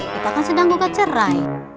kita kan sedang gugat cerai